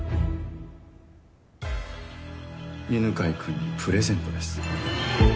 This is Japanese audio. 犬飼君にプレゼントです。